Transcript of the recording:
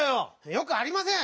よくありません！